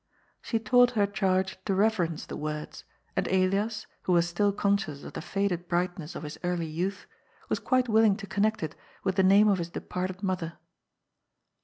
She taught her charge to reverence the words, and Elias, who was still conscious of the faded brightness of his early youth, was quite willing to connect it with the name of his departed mother.